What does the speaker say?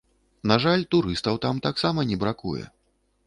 На жаль, турыстаў там таксама не бракуе.